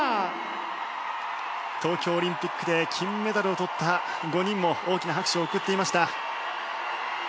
東京オリンピックで金メダルを取った５人も大きな拍手を送っていました。